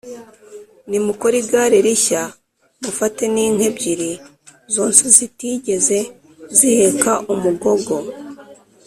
Nimukore igare rishya mufate n inka ebyiri zonsa zitigeze ziheka umugogo